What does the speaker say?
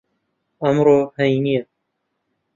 ئەمڕۆ هەینییە.